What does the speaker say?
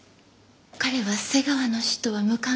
彼は瀬川の死とは無関係です。